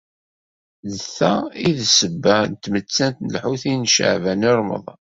D ta i d ssebba n tmettant n Lḥusin n Caɛban u Ṛemḍan.